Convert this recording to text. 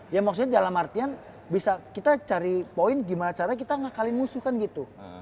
ya maksudnya dalam artian bisa kita cari poin gimana caranya kita ngakalin musuh kan gitu